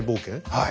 はい。